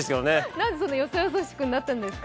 なんでそんなよそよそしくなってるんですか！